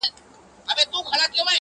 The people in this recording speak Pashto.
!.پر مزار به یې رپېږي جنډۍ ورو ورو!.